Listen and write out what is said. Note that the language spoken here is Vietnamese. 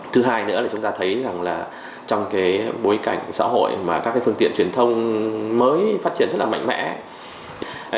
thứ hai nữa là chúng ta thấy trong bối cảnh xã hội các phương tiện truyền thông mới phát triển rất là mạnh mẽ